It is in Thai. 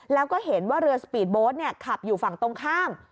แล้วก็เห็นว่าเรือสปีดโบ๊ทขับอยู่ฝั่งตรงข้าม